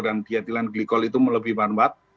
dan di etilen glikol itu melebih bambat